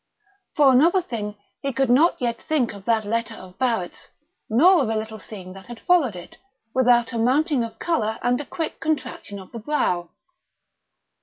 For another thing, he could not yet think of that letter of Barrett's, nor of a little scene that had followed it, without a mounting of colour and a quick contraction of the brow.